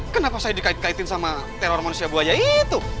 kenapa saya dikait kaitkan sama teror manusia buaya itu